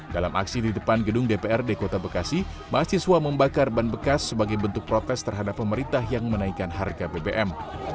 dalam aksi di depan gedung dprd kota bekasi mahasiswa membakar ban bekas sebagai bentuk protes terhadap pemerintah yang menaikkan harga bbm